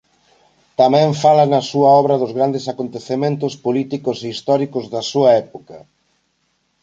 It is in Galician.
Tamén fala na súa obra dos grandes acontecementos políticos e históricos da súa época.